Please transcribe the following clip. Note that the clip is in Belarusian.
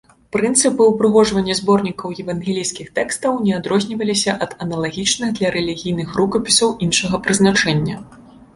Прынцыпы ўпрыгожвання зборнікаў евангельскіх тэкстаў не адрозніваліся ад аналагічных для рэлігійных рукапісаў іншага прызначэння.